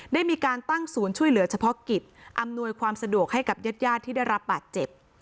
ได้มีการตั้งศูนย์ช่วยเหลือเฉพาะกิจอำนวยความสะดวกให้กับญาติญาติที่ได้รับบาดเจ็บ